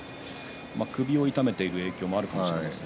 首を痛めている影響もあるかもしれません。